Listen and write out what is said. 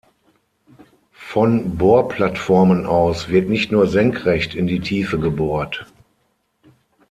Von Bohrplattformen aus wird nicht nur senkrecht in die Tiefe gebohrt.